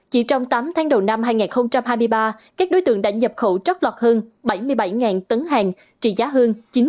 chỉ trong tám tháng đầu năm hai nghìn hai mươi ba các đối tượng đã nhập khẩu trót lọt hơn bảy mươi bảy tấn hàng trị giá hơn chín trăm năm mươi tỷ đồng